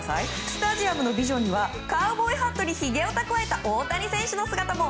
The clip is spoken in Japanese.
スタジアムのビジョンにはカウボーイハットにひげを蓄えた大谷選手の姿も。